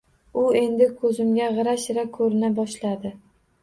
U endi ko`zimga g`ira-shira ko`rina boshladi